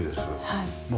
はい。